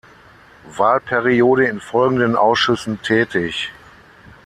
Wahlperiode in folgenden Ausschüssen tätig.